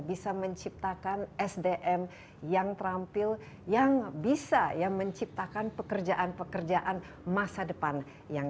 bisa menciptakan sdm yang terampil yang bisa menciptakan pekerjaan pekerjaan masa depan yang